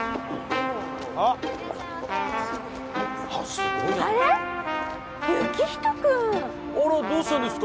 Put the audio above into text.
あらどうしたんですか？